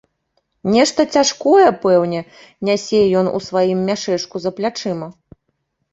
Нешта цяжкое, пэўне, нясе ён у сваім мяшэчку за плячыма.